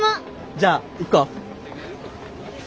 じゃあ行こう。